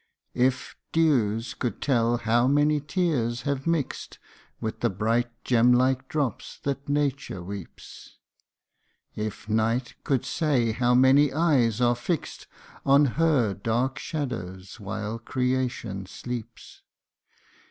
If dews could tell how many tears have mixed With the bright gem like drops that Nature weeps, If night could say how many eyes are fixed On her dark shadows, while creation sleeps ! IFS.